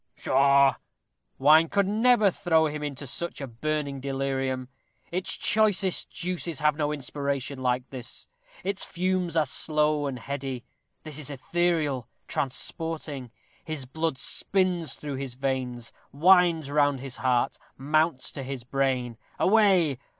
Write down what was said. Pshaw! wine could never throw him into such a burning delirium. Its choicest juices have no inspiration like this. Its fumes are slow and heady. This is ethereal, transporting. His blood spins through his veins; winds round his heart; mounts to his brain. Away!